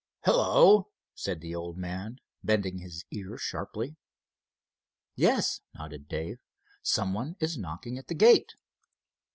"Hello," said the old man, bending his ear sharply. "Yes," nodded Dave, "some one is knocking at the gate."